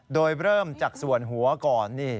โดยเริ่มจากส่วนหัวก่อน